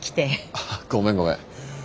ああごめんごめん。